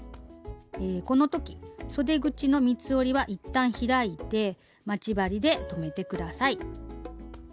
この時そで口の三つ折りは一旦開いて待ち針で留めて下さい。